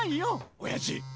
おやじ。